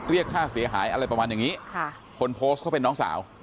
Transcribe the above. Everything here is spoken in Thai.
เรียกค่าเสียหายอะไรประมาณอย่างนี้ค่ะคนโพสต์เขาเป็นน้องสาว